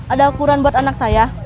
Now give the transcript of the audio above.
ada ukuran buat anak saya